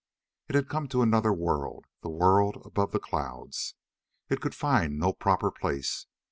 It had come to another world, the world above the clouds. It could find no proper place.